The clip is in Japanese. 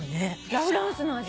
ラフランスの味？